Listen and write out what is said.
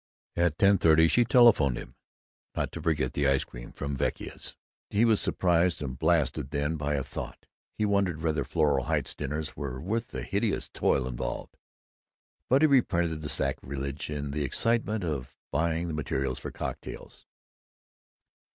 At ten thirty she telephoned to him not to forget the ice cream from Vecchia's. He was surprised and blasted then by a thought. He wondered whether Floral Heights dinners were worth the hideous toil involved. But he repented the sacrilege in the excitement of buying the materials for cocktails.